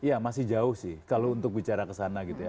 iya masih jauh sih kalau untuk bicara kesana gitu ya